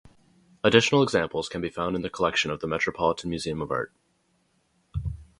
Additional examples can be found in the collection of The Metropolitan Museum of Art.